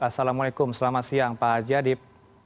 assalamualaikum selamat siang pak haji adib